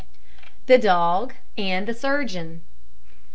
THE DOG AND THE SURGEON.